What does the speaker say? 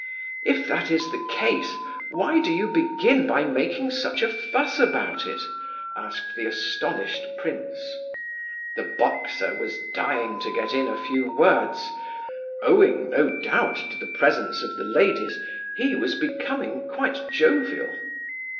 "If that is the case, why did you begin by making such a fuss about it?" asked the astonished prince. The boxer was dying to get in a few words; owing, no doubt, to the presence of the ladies, he was becoming quite jovial.